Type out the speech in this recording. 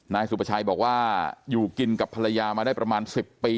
นายสุประชัยบอกว่าอยู่กินกับภรรยามาได้ประมาณ๑๐ปี